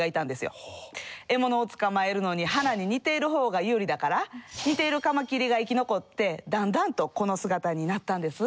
獲物を捕まえるのに花に似ているほうが有利だから似ているカマキリが生き残ってだんだんとこの姿になったんです。